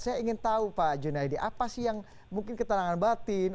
saya ingin tahu pak junaidi apa sih yang mungkin ketenangan batin